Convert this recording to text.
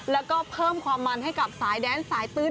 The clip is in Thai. แล้วก็เพิ่มความมันให้กับสายแดนสายตื้น